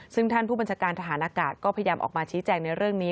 ซึ่งท่านผู้บัญชาการทหารอากาศก็พยายามออกมาชี้แจงในเรื่องนี้